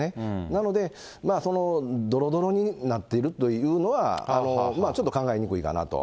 なので、そのどろどろになっているというのは、ちょっと考えにくいかなと。